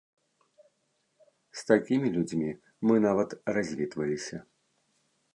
З такімі людзьмі мы нават развітваліся.